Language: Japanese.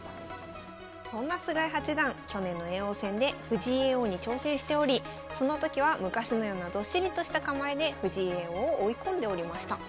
そんな菅井八段去年の叡王戦で藤井叡王に挑戦しておりその時は昔のようなどっしりとした構えで藤井叡王を追い込んでおりました。